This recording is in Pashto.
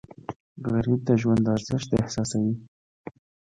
غریب د ژوند ارزښت احساسوي